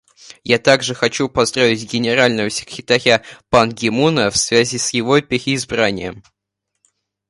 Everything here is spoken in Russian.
Я также хочу поздравить Генерального секретаря Пан Ги Муна в связи с его переизбранием.